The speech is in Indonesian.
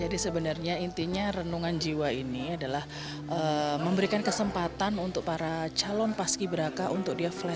jadi sebenarnya intinya rendungan jiwa ini adalah memberikan kesempatan untuk para calon paski beraka untuk dikonsultasi